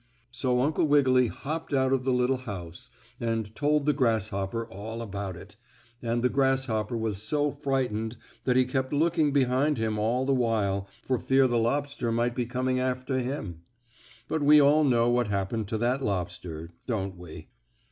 So Uncle Wiggily hopped out of the little house and told the grasshopper all about it, and the grasshopper was so frightened that he kept looking behind him all the while, for fear the lobster might be coming after him. But we all know what happened to that lobster; don't we?